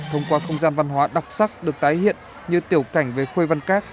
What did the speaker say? thông qua không gian văn hóa đặc sắc được tái hiện như tiểu cảnh về khuê văn các